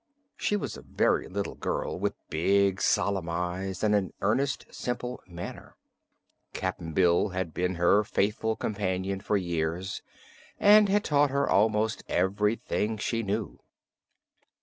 She was a very little girl, with big, solemn eyes and an earnest, simple manner. Cap'n Bill had been her faithful companion for years and had taught her almost everything she knew.